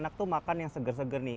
saya selalu makan yang segar segar nih